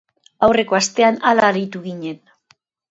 Aurreko astean hala aritu ginen.